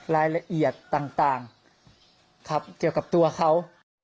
รายละเอียดต่างครับเกี่ยวกับตัวเขา